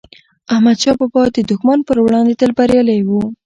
احمدشاه بابا د دښمن پر وړاندی تل بریالي و.